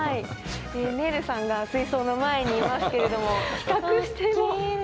ねるさんが水槽の前にいますけれども比較しても大きいです！